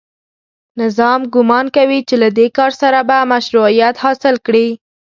نظام ګومان کوي چې له دې کار سره به مشروعیت حاصل کړي